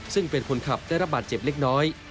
ซึ่งเป็นคนขับได้รับบาดเจ็บเล็กน้อย